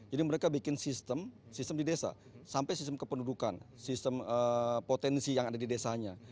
jadi mereka bikin sistem sistem di desa sampai sistem kependudukan sistem potensi yang ada di desanya